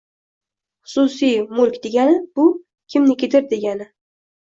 Xususiy degani bu “kimnikidir” degani.